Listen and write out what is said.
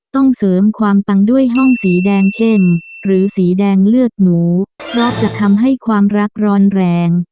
ต้องเสริมความปังด้วยห้องสีแดงเข้มหรือสีแดงเลือดหนูเพราะจะทำให้ความรักร้อนแรง